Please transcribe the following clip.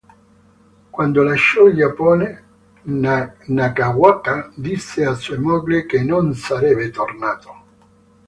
Quando lasciò il Giappone, Nakagawa disse a sua moglie che non sarebbe tornato.